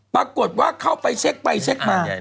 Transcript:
ปรากฏว่าเข้าไปเช็คไปเช็คมา